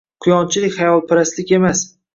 Quyonchilik xayolparastlik emas